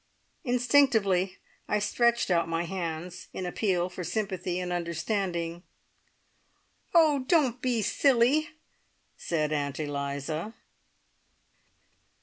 Instinctively I stretched out my hands, in appeal for sympathy and understanding. "Oh, don't be silly!" said Aunt Eliza.